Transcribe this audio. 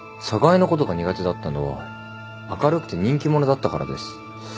寒河江のことが苦手だったのは明るくて人気者だったからです。